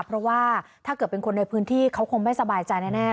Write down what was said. เพราะว่าถ้าเกิดเป็นคนในพื้นที่เขาคงไม่สบายใจแน่